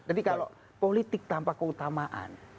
jadi kalau politik tanpa keutamaan